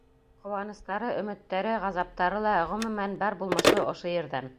Ҡыуаныстары, өмөттәре, ғазаптары ла, ғөмүмән, бар булмышы ошо ерҙән.